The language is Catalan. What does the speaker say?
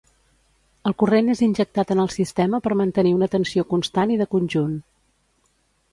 El corrent és injectat en el sistema per mantenir una tensió constant i de conjunt.